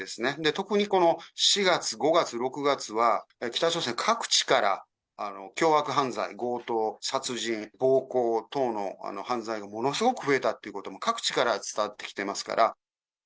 特にこの４月、５月、６月は、北朝鮮各地から凶悪犯罪、強盗、殺人、暴行等の犯罪がものすごく増えたということも各地から伝わってきてますから。